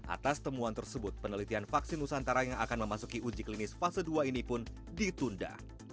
atas temuan tersebut penelitian vaksin nusantara yang akan memasuki uji klinis fase dua ini pun ditunda